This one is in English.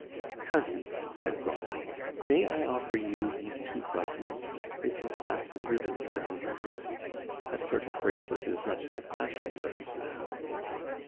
"Cousin," said Grandet, "may I offer you these two buttons? They can fasten ribbons round your wrists; that sort of bracelet is much the fashion just now."